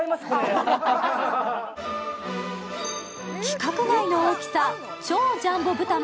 規格外の大きさ、超ジャンボブタ